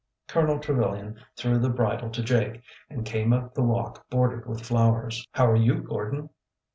Colonel Trevilian threw the bridle to Jake and came up the walk bordered with flowers. " How are you, Gordon